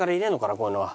こういうのは。